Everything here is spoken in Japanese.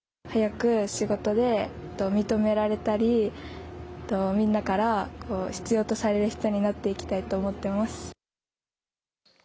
早く仕事で認められたりみんなから必要とされる人になっていきたいと思っています。